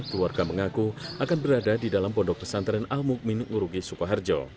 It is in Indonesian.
keluarga mengaku akan berada di dalam pondok pesantren al mu'min nguruki sukaharjo